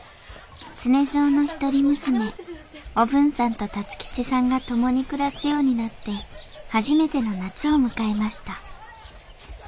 常蔵の一人娘おぶんさんと辰吉さんが共に暮らすようになって初めての夏を迎えました